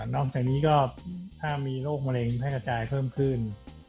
นอกจากนี้ก็ถ้ามีโรคมะเร็งแพร่กระจายเพิ่มขึ้น